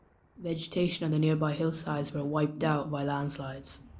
Vegetation on the nearby hillsides were wiped out by landslides.